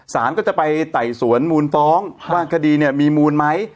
สารก็จะไปไต่สวนมูลฟ้องว่าคดีเนี่ยมีมูลไหม